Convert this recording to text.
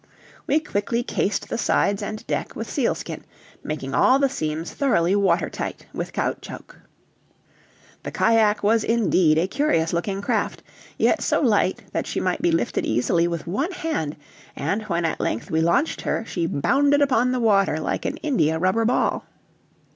We quickly cased the sides and deck with sealskin, making all the seams thoroughly watertight with caoutchouc. The cajack was indeed a curious looking craft, yet so light that she might be lifted easily with one hand, and when at length we launched her she bounded upon the water like an India rubber ball.